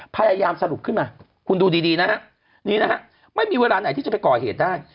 พยายามสรุปขึ้นมาคุณดูดีนะฮะนี่นะฮะไม่มีเวลาไหนที่จะไปก่อเหตุได้